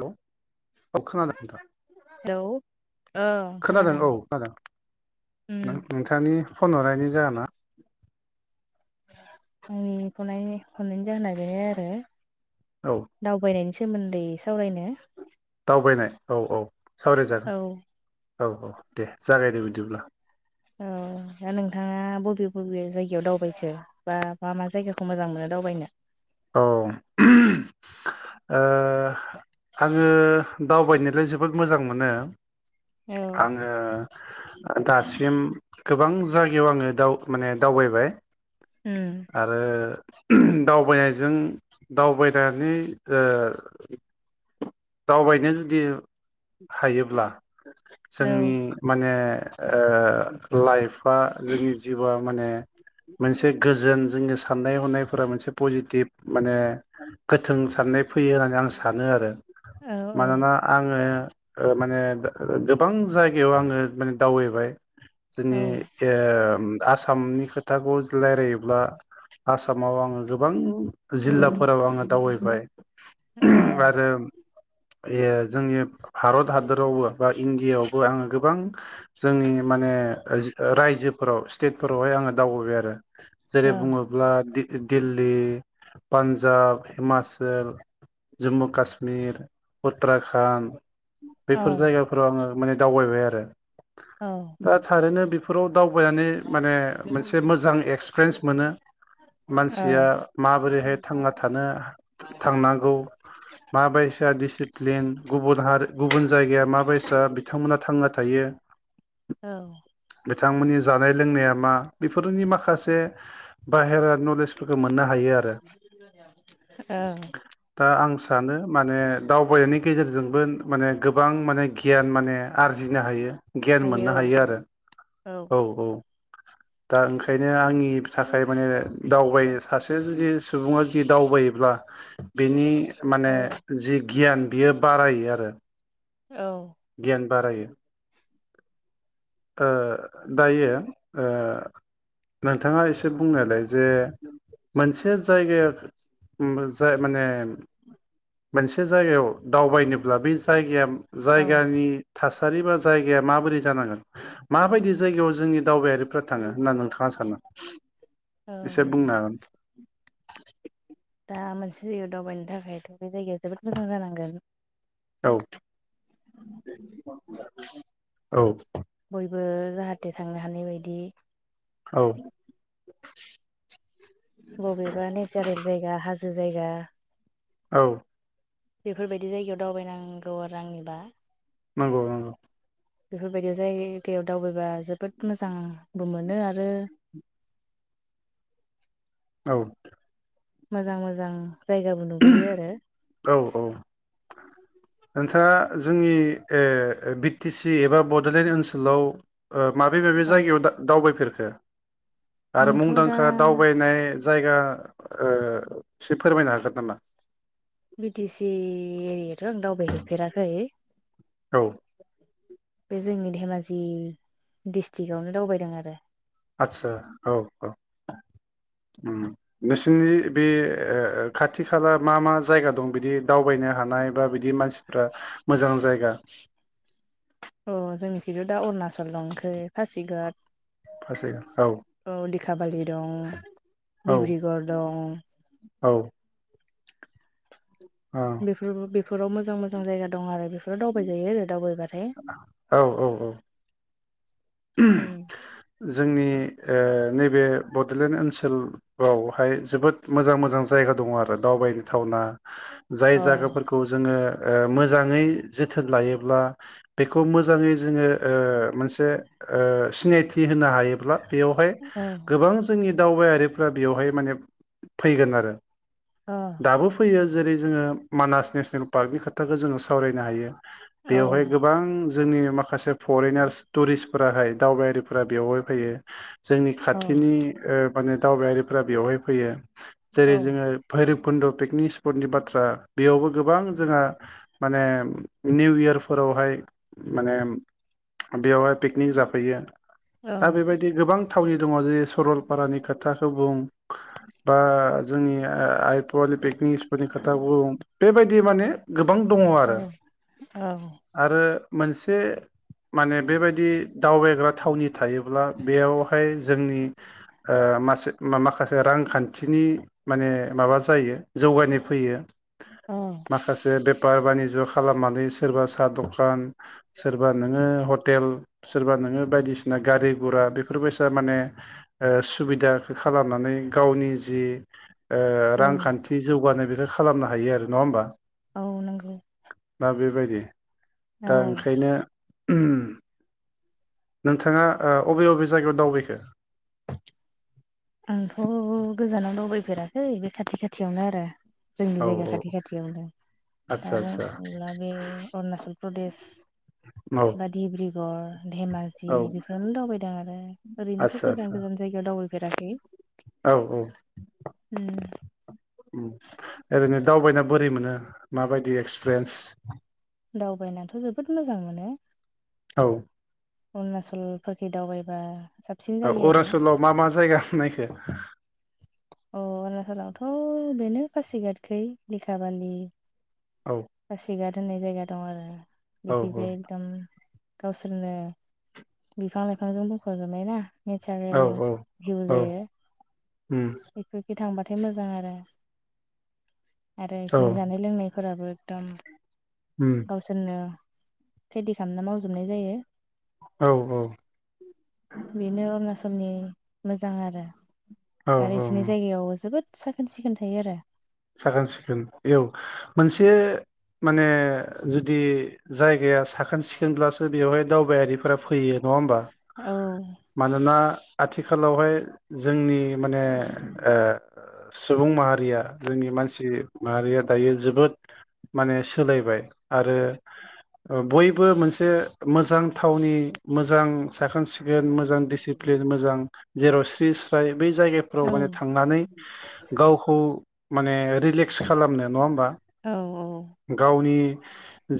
Hello औ खोनादों नोंथां हेलौ खोनादों औ खोनादों उम नों नोंथांनि फन हरनायनि जाहोना आंनि हनायनि हरनायनि जाहोना बेनो आरो औ दावबायनायनि सा सोमोन्दै सावरायनो दावबायनाय औ औ औ सावरायजागोन औ औ दे जागायदे बिदिब्ला ओ दा नोंथाङा बबे बबे जायगायाव दावबायखो बा मा मा जायगाखौ मोजां मोनो दावबायनो? औ ओ आङो दावबायनोलाय जोबोद मोजां मोनो उम आङो दासिम गोबां जायगायाव आङो दाव माने दावबायबाय आरो दावबाय जों दावबायनानोय ओ दावबायनो जुदि हायोब्ला औ जोंनि माने ओ लाइफआ जोंनि जिउआ माने मोनसे गोजोन जोंनि साननाय हनायफोरा मोनसे पजिटिभ माने गोथों साननाय फैयो होन [unintelligible] आं सानो आरो औ मानोना आङो ओ माने गो गोबां जायगायाव आङो माने दावबायबाय औ जोंनि ओ आसामनि खोथाखौ लायरायोब्ला आसामाव आङो गोबां जिल्लाफोराव आङो दावबायबाय आरो ओ जोंनि भारत हादरावबो बा इण्डियाआवबो आङो गोबां जोंनि माने रो रायजोफोराव स्टेटफोरावहाय आङो दावबायबाय आरो औ जेरै बुङोब्ला दि दिल्ली पान्जाब हिमाचल जुम्मु कासमिर उत्तराखन्ड बेफोर जायगाफोराव आङो माने दावबायबाय आरो दा थारैनो बेफोराव दावबायनानै माने मोनसे मोजां एक्सपिरियेन्स मोनो औ मानसिया माबोरैहाय थांना थानो थांनांगौ माबायसा दिसिप्लिन गुबुन हार गुबुन जायगाया माबायसा बिथांमोना थांना थायो औ बिथांमोननि जानाय लोंनाया मा बेफोरनि माखासे बाहेरा नलेजफोरखौ मोननो हायो आरो औ दा आं सानो माने दावबायनायनि गेजेरजोंबो माने गोबां माने गियान माने आरजिनो हायो गियान मोननो हायो आरो औ औ दा ओंखायनो आंनि थाखाय माने दावबाय सासे जुदि सुबुङा जुदि दावबायोब्ला बिनि माने औ जि गियान बियो बारायो आरो औ गियान बारायो ओ दायो ओ नोंथाङा एसे बुंनायलाय जे मोनसे जायगा जाय माने मोनसे जायगायाव दावबायनोब्ला बे जायगाया औ जायगानि थासारि बा जायगाया माबोरै जानांगोन? माबायदि जायगायाव जोंनि दावबायारिफोरा थाङो होनना नोंथाङा सानो औ एसे बुंनो हागोन दा मोनसे जायगायाव दावबायनो थाखायथ' बे जायगाया जोबोद मोजां जानांगोन औ औ बयबो जाहाथे थांनो हानाय बायदि औ बबेबा नेचारेल जायगा हाजो जायगा औ बेफोरबायदि जायगायाव दावबायनांगौ आरो आंनिबा नंगौ नंगौ बेफोरबायदि जायगायाव दावबायबा जोबोद मोजांबो मोनो आरो। [inaudible] औ मोजां मोजां। जायगाबो नुबोयो आरो औ औ नोंथांङा जोंनि बि टि सि एबा बड'लेण्ड ओनसोलाव माबे माबे औ जायगायाव दावबायफेरखो आरो आंथ' दा मुंदांखा दावबायनाय जायगा एसे फोरमायनो हागोन नामा? बि टि सि एरियाथ' आं दावबायहैफेराखै औ बे जोंनि धेमाजि डिस्ट्रिक्आवनो दावबायदों आरो। आतसा औ औ [inaudible] नोंसोरनि बे खाथि खाला मा मा जायगा दं बिदि दावबायनो हानाय। बा बिदि मानसिफ्रा मोजां जायगा अ जोंनिखिथ' दा अरुणाचल दंखै पासिघात फासिघात औ सिखाबालि दं औ डब्रुगर दं। औ औ बेफोर बेफोराव मोजां मोजां जायगा दं आरो बेफोराव दावबाय जायो आरो दावबायबारि औ औ औ उ जोंनि नैबे बड'लेण्ड ओनसोलावहाय जोबोद मोजां मोजां जायगा दङ आरो दावबायनो थावना जाय औ जायगाफोरखौ जोङो मोजाङै जोथोन लायोब्ला बेखौ मोजाङै जोङो मोनसे सिनायथि होनो हायोब्ला बेयावहाय औ गोबां जोंनि दावबायारिफोरा बेयावहाय माने फैगोन आरो औ दाबो फैयो। जेरै जोङो मानास नेसनेल पार्कनि खोथाखौ जोङो सावरायनो हायो औ बेयावहाय गोबां जोंनि माखासे फरेनार्स टुरिस्टफोराहाय दावबायारिफोरा बेवहाय फैयो। जोंनि औ खाथिनि माने दावबायारिफ बेवहाय फैयो जेरै जोङो औ भैरब कुन्द' पिकनिक स्पटनि बाथ्रा बेयावबो गोबां जोंहा माने निउ इयारफोराव हाय माने बेयावहाय पिकनिक जाफैयो दा बेबायदि गोबां थावनि दङ जे सरलपारानि खोथाखौ बुं बा जोंनि आइपवलि पिकनिक स्पट नि खोथा बुं बेबायदि माने गोबां दङ आरो औ आरो मोनसे माने बेबायदि जुदि दावबायग्रा थावनि थायोब्ला बेयावहाय जोंनि मासे माखासे रांखान्थिनि माने माबा जायो। जौगानाय फैयो औ माखासे बे बेफार बानिज्य खालामनानै सोरबा साहा दखान सोरबा नोङो हटेल सोरबा नोङो बायदिसिना गारि घरा बेफोरबायसा माने सुबिदाखौ खालामनानै गावनि जि औ रांखान्थि जौगानाय बेखौ खालामनो हायो आरो नङा होमबा। औ नंगौ दा बेबायदि औ दा ओंखायनो नोंथांआ ओ अबे अबे जायगायाव दावबायखो? आंथ' गोजानाव दावबायफेराखै बे खाथि खाथियावनो आरो। जोंनि औ जायगा औ खाथि खाथियावनो। आदसा दा बुंनो आदसा थांङोब्ला बे अरुणाचल प्रदेश औ बा डिब्रुगर धेमाजि औ बेफोरावनो दावबायदों आरो ओरैनोथ' गोजान गोजान जायगायाव दावबायफेराखै औ-औ। [inaudible] ओम ओरैनो दावबायना बोरै मोनो माबायदि एक्सपिरियेन्स? दावबायनाथ' जोबोद मोजां मोनो। औ। अरुणचलफोरखै दावबायबा साबसिन ओ जायो आरो अरुणाचलाव मा मा जायगाखो नायखो? अ' अरुणनाचलावथ' बेनो फासिगादखै लेखाबालि औ फासिगाद होन्नाय जायगा दं आरो औ बेखैजाय एकदम गावसोरनो बिफां-लाइफांजों बुंफबजोबनाय ना। औ नेचारेल भिउ औ जायो। उम बेखि थांबाथाय मोजां आरो आरो औ बिसनि जानाय लोंनायफोराबो एकदम उम गावसोरनो खेथि खालामना मावजोबनाय जायो। औ-औ। बेनो अरुणाचलनि मोजां आरो बे औ-औ। जायगायाव जोबोद साखोन-सिखोन थायो आरो साखोन-सिखोन औ मोनसे माने जुदि जायगाया साखोन-सिखोनब्लासो बेवहाय दावबायारिफोरा फैयो नंङा होमबा? मानोना आथिखालावहाय जोंनि माने ओ सुबुं माहारिया जोंनि मानसि माहारिया दायो जोबोद माने सोलायबाय आरो ओ बयबो मोनसे मोजां थावनि मोजां साखोन-सिखोन मोजां दिसिप्लिन मोजां जेराव स्रि-स्राय बै जायगाफोराव औ माने थांनानै गावखौ माने रिलेक्स खालामनो नंङा होमबा औ गावनि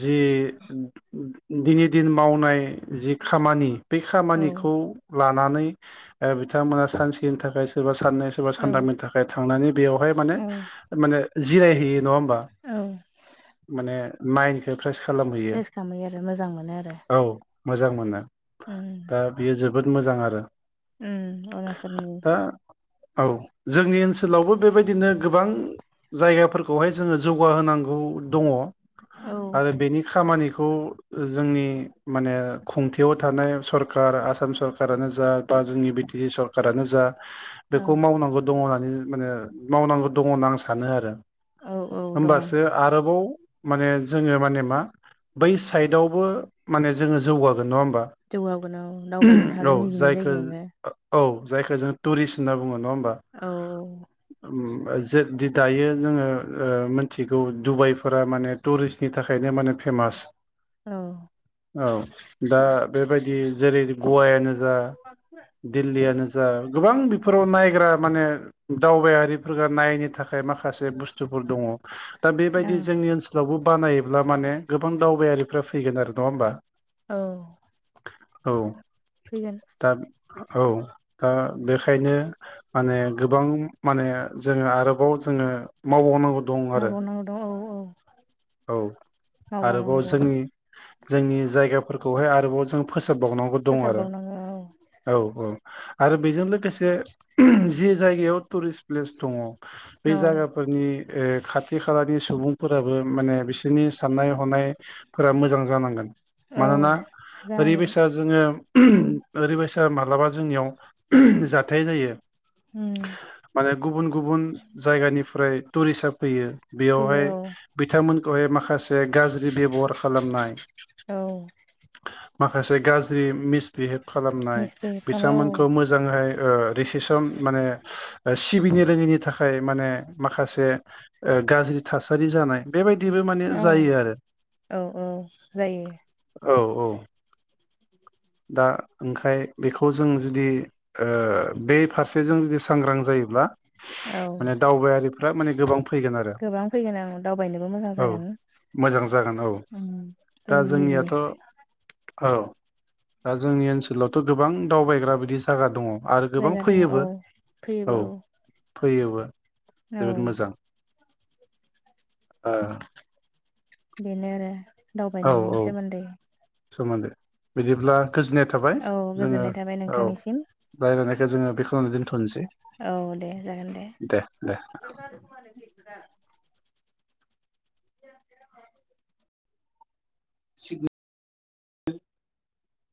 जि दिनै दिन मावनाय जि खामानि बे औ खामानिखौ लानानै ओ बिथांमोना सानसेनि थाखाय सोरबा साननै सोरबा औ सानथामनि थाखाय थांनानै बेयावहाय माने औ माने जिरायहैयो नंङा होमबा औ माने माइनखौ प्रेइस खालामहैयो फ्रेस खालामहैयो आरो मोजां मोनो आरो औ। मोजां मोनो उम दा बियो जोबोद मोजां आरो उम अरुणाचलनि दा औ जोंनि ओनसोलावबो बेबायदिनो गोबां जायगाफोरखौहाय जोंङो जौगाहोनांगौ दंङ। औ आरो बेनि खामानिखौ जोंनि माने खुंथायाव थानाय सरखार आसाम सरखारानो जा बा जोंनि बिदि बि सरखारानो जा औ बेखौ दंङ होनना आं सानो आरो औ औ दं होमबासो आरोबाव जोङो माने जों नंङा होबा जौगागोन औ दावबायनोबो औ हागोन निजिनि जायखो जायगायावनो औ जायखौ जों टुरिस्ट होना औ। ओम। जों दायो जोंङो ओ मिथिगौ डुबाइफोरा माने टुरिस्टनि थाखायनो माने फेमास औ औ दा बेबायदि जेरै गवायानो जा दिल्लीयानो जा गोबां बेफोराव नायग्रा माने दावबायारिफोर नायनो थाखाय माखासे बुस्थुफोर दङ दा औ बेबायदि जोंनि ओनसोलावबो बानायोब्ला माने गोबां दावबायारिफ्रा फैगोन आरो नङा होमबा औ औ फैगोन दा औ ओ बेखायनो माने गोबां माने जोङो आरोबाव जोङो मावबावनांगौ दं आरो मावबावनांगौ दं औ औ औ आरोबाव मावबावनांगौ जोंनि जोंनि जायगाफोरखौहाय आरोबाव जों फोसा बावनांगौ दं आरो फोसाबबावनांगौ औ औ आरो बेजों लोगोसे जि जायगायाव टुरिस्ट प्लेस दङ औ बे जायगाफोरनि खाथि खालानि सुबुंफोराबो माने बिसोरनि साननाय हनायफोरा मोजां जानांगोन औ मानोना जानांगोन ओरैबायसा जोङो ओरैबायसा माब्लाबा जोंनियाव जाथाय जायो हम। माने गुबुन गुबुन जायगानिफ्राय टुरिस्टआ फैयो बेयावहाय फैयो बिथांमोनखौहाय माखासे गाज्रि बेब'हार खालामनाय औ माखासे गाज्रि मिसबिहेभ खालामनाय मिस्ट्रि खालामो बिथांमोनखौ मोजांहाय ओ दिसिसन माने सिबिनो रोङैनि थाखाय माने माखासे गाज्रि थासारि जानाय बेबायदिबो माने औ जायो आरो औ औ जायो औ औ [unintelligible] दा ओंखाय बेखौ जों जुदि ओ बे फारसेजों जुदि सांग्रां जायोब्ला औ माने दावबायारिफोरा माने गोबां फैगोन आरो गोबां फैगोन आं दावबायनो औ मोजां जागोन औ उम दा जोंनि निजेनि जोंनियाथ' औ दा जोंनि ओनसोलावथ' गोबां दावबायग्रा बिदि जागा दङ आरो गोबां जायगा दङ औ फैयोबो औ फैयोबो औ जोबोद मोजां ओ बेनो आरो औ दावबायनायनि औ सोमोन्दै बिदिब्ला गोजोननाया थाबाय औ जोङो गोजोननाय थाबाय औ नोंथांनिसिम राय्लनाय बेखौ जों [inaudible] दोनथ'नोसै औ दे जागोन दे [inaudible]